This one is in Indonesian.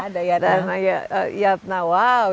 dan yatna wow